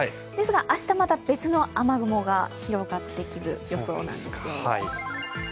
ですが、明日また別の雨雲が広がってくる予想なんですよ。